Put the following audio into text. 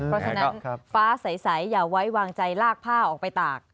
เพราะฉะนั้นฟ้าใสอย่าไว้วางใจลากผ้าออกไปตาก